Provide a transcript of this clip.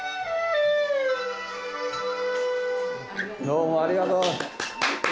どうもありがとう。